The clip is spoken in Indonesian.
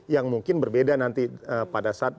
yang mungkin berbeda nanti pada saat